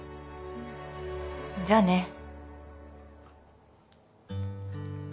じゃあね。